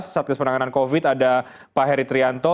satgas penanganan covid ada pak heri trianto